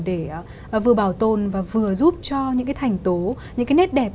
để vừa bảo tồn và vừa giúp cho những cái thành tố những cái nét đẹp